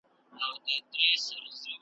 نو وکیل هم وژغورل شو